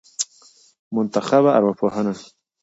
منتخبه ارواپوهنه